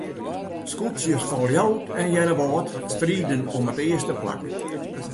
Skûtsjes fan Ljouwert en Earnewâld striden om it earste plak.